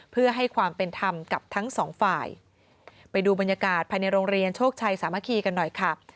เพื่อให้ความเป็นธรรมกับทั้งสองฝ่ายไปดูบรรยากาศภายในโรงเรียนโชคชัยสามัคคีกันหน่อยค่ะ